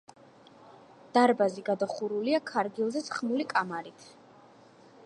დარბაზი გადახურულია ქარგილზე სხმული კამარით.